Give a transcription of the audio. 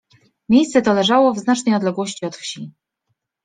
Miejsce to leżało w znacznej odległości od wsi.